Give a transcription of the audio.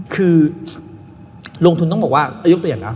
คือลงทุนต้องบอกว่ายกตัวอย่างนะ